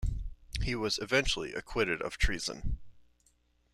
He was eventually acquitted of treason.